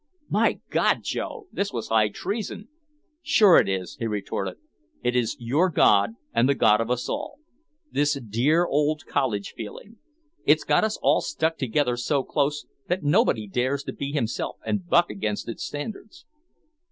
"My God, Joe!" This was high treason! "Sure it is," he retorted. "It is your god and the god of us all. This dear old college feeling. It's got us all stuck together so close that nobody dares to be himself and buck against its standards."